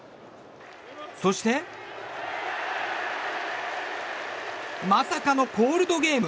そしてまさかのコールドゲーム。